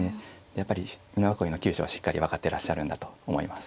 やっぱり美濃囲いの急所はしっかり分かってらっしゃるんだと思います。